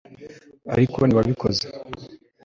ariko ntiwabikoze